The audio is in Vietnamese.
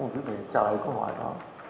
trả lại câu hỏi đó